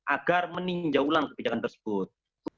agar meninjau ulang kebijakan tersebut